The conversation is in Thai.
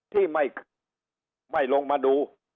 ที่ไม่ลงมาดู